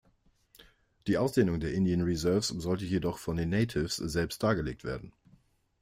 Die Ausdehnung der "Indian Reserves" sollte jedoch von den „natives“ selbst dargelegt werden.